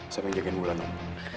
siapa yang jagain ulan om